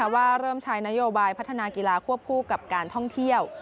ว่าเริ่มใช้นโยบายพัฒนากีฬาควบคู่กับการท่องเที่ยว